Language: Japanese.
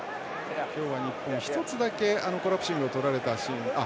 今日は日本、１つだけコラプシングをとられたシーン。